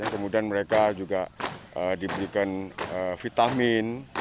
kemudian mereka juga diberikan vitamin